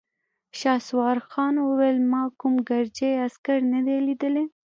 شهسوارخان وويل: ما کوم ګرجۍ عسکر نه دی ليدلی!